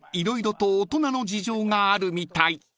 色々と大人の事情があるみたい］